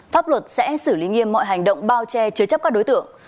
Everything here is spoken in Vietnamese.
pháp luật sẽ xử lý nghiêm mọi hành động bao che chứa chấp các đối tượng